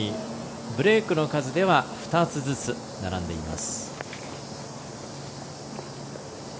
ブレークの数では２つずつ並んでいます。